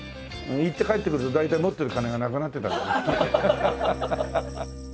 行って帰ってくると大体持ってる金がなくなってたり。